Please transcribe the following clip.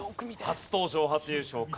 初登場初優勝か。